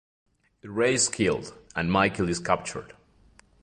Ray is killed, and Michael is captured.